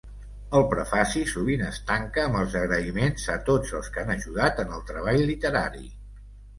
El prefaci sovint es tanca amb els agraïments a tots els que han ajudat en el treball literari.